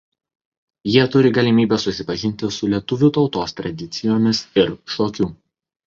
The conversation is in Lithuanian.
Jie turi galimybę susipažinti su lietuvių tautos tradicijomis ir šokiu.